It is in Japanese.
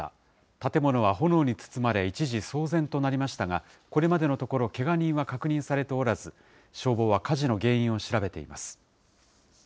建物は炎に包まれ、一時騒然となりましたが、これまでのところ、けが人は確認されておらず、消防は火事の原因を調べています。